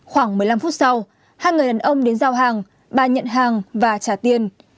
khoảng một mươi năm phút sau hai người đàn ông đến giao hàng bà nhận hàng và trả tiền